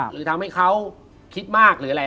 หรือทำให้เขาคิดมากหรืออะไร